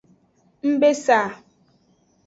Ng be sa.